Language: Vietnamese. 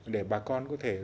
để bà con có thể